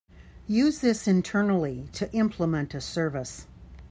Use this internally to implement a service.